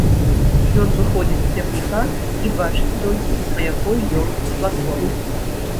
Ён выходзіць з цягніка і бачыць толькі, на якой ён платформе.